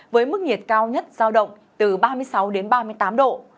với mức nhiệt cao nhất giao động từ ba mươi sáu đến ba mươi tám độ